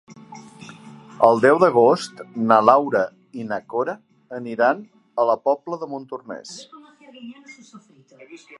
El deu d'agost na Laura i na Cora aniran a la Pobla de Montornès.